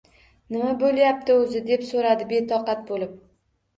— Nima bo‘lyapti o‘zi? — deb so‘radi betoqat bo‘lib.